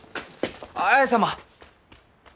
綾様！